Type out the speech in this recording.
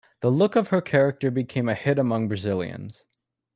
The look of her character became a hit among Brazilians.